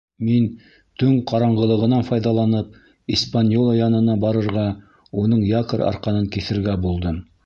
Мин, төн ҡараңғылығынан файҙаланып, «Испаньола» янына барырға, уның якорь арҡанын киҫергә булдым.